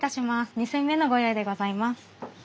２煎目のご用意でございます。